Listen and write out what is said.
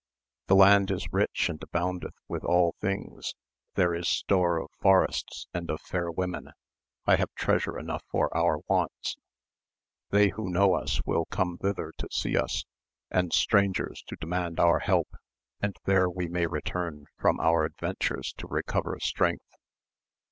The land is rich and aboundeth with all things, there is store of forests and of fair women. I have treasure enough for our wants ; they who know us will come thither to see us, and strangers to demand our help, and there we may return from our adventures to re cover strength.